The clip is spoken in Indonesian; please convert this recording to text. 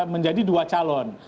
menjadi dua calon